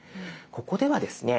ここではですね